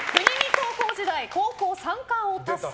高校時代、高校３冠を達成。